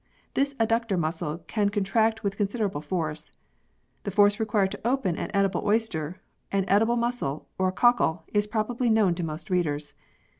This adductor muscle can contract with considerable force. The force required to open an edible oyster, an edible mussel or a cockle is probably known to most readers.